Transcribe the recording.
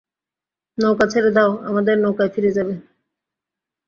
নৌকা ছেড়ে দাও, আমাদের নৌকায় ফিরে যাবে।